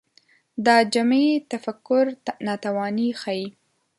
دا جمعي تفکر ناتواني ښيي